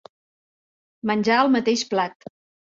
Menjar al mateix plat.